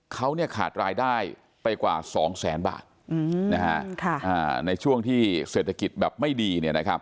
เขาขาดรายได้ไปกว่า๒แสนบาทในช่วงที่เศรษฐกิจแบบไม่ดี